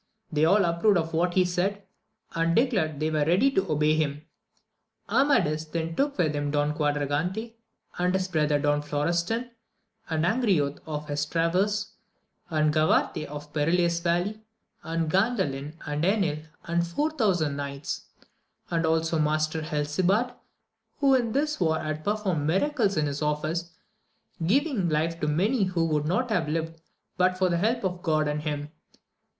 They all approved of what he said, and declared they were ready to obey him. Amadis then took with him Don Quadragante, and his brother Don Florestan, and Angriote of Estravaus, and Gavarte of the Perilous Valley, and Gandalin, and Enil, and four thousand knights, and also Master Helisabad, who in this war had performed miracles in his office, giving life to many who could not have lived but for the help of God and him.